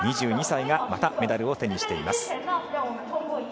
２２歳がまたメダルを手にしています。